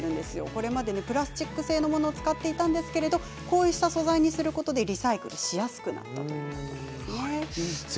これまではプラスチック製のものを使っていたんですがこうした素材を使用することでリサイクルしやすくなったということなんですね。